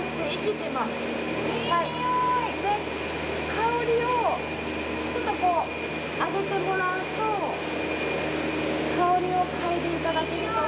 香りをちょっとこうあげてもらうと香りを嗅いで頂けると思うんですが。